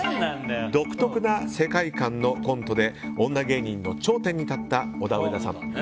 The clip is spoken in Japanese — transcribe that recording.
独特な世界観のコントで女芸人の頂点に立ったオダウエダさん。